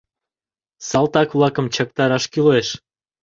Салтак-влакым чактараш кӱлеш.